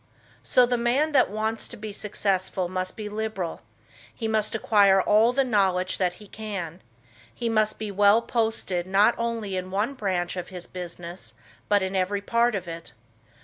So the man that wants to be successful must be liberal; he must acquire all the knowledge that he can; he must be well posted not only in one branch of his business but in every part of it.